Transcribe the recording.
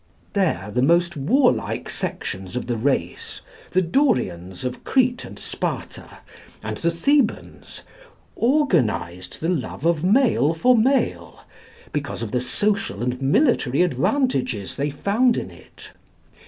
There the most warlike sections of the race, the Dorians of Crete and Sparta, and the Thebans, organised the love of male for male because of the social and military advantages they found in it.